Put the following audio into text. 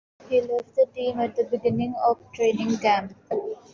He left the team at the beginning of training camp.